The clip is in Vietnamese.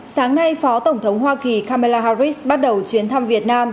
sáng nay phó tổng thống hoa kỳ kamala harris bắt đầu chuyến thăm việt nam